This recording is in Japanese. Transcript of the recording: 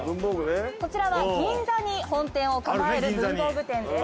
こちらは銀座に本店を構える文房具店です。